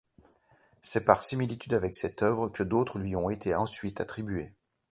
C'est par similitude avec cette œuvre que d'autres lui ont été ensuite attribuées.